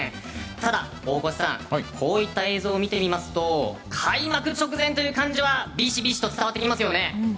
ただ、大越さんこういった映像を見てみますと開幕直前という感じはビシビシと伝わってきますね。